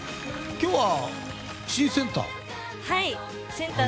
今日は新センター？